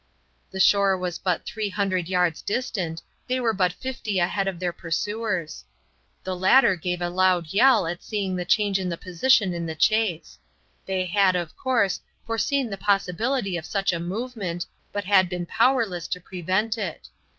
The shore was but three hundred yards distant; they were but fifty ahead of their pursuers. The latter gave a loud yell at seeing the change in the position in the chase. They had, of course, foreseen the possibility of such a movement, but had been powerless to prevent it.